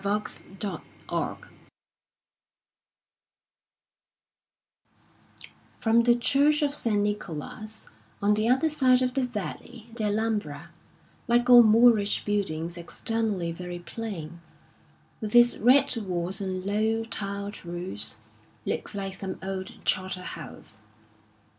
181 xxxm ^^ROM the church o( San NkoUu, on the The other side of the valley, tiie Alhambra, Alhunbn like all Moorish buildings externally very plain, with its red walls and low, tiled roofs, looks like some old charter house.